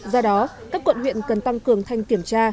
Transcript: do đó các quận huyện cần tăng cường thanh kiểm tra